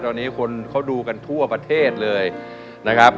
ตอนนี้คนเขาดูกันทั่วประเทศเลยนะครับ